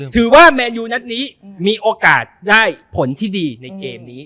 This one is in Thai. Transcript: ถือว่าเมนยูงั้นนี้มีโอกาสได้ผลที่ดีในเกมนี้